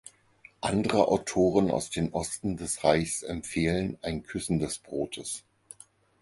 Andere Autoren aus dem Osten des Reichs empfehlen ein Küssen des Brotes.